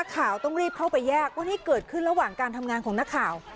ข่าวต้องรีบเข้าไปแยกว่านี่เกิดขึ้นระหว่างการทำงานของนักข่าว